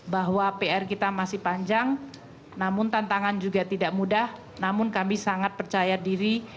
bahwa pr kita masih panjang namun tantangan juga tidak mudah namun kami sangat percaya diri